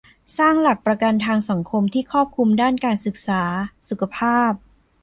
สร้างหลักประกันทางสังคมที่ครอบคลุมด้านการศึกษา สุขภาพ